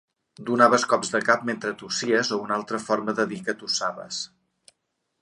Donaves cops de cap mentre tossies o una altra forma de dir que tossaves.